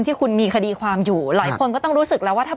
ที่คุณมีคดีความอยู่หลายคนก็ต้องรู้สึกแล้วว่าถ้า